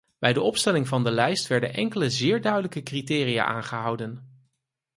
Bij de opstelling van de lijst werden enkele zeer duidelijke criteria aangehouden.